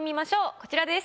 こちらです。